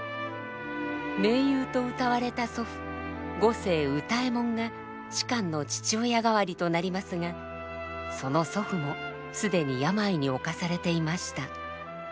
名優と謳われた祖父五世歌右衛門が芝の父親代わりとなりますがその祖父も既に病に侵されていました。